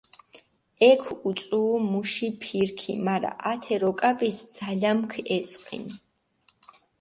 ექ უწუუ მუში ფირქი, მარა ათე როკაპისჷ ძალამქჷ ეწყინჷ.